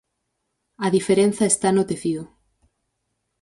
A diferenza está no tecido.